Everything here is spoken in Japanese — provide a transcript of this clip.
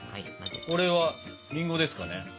これはりんごですかね。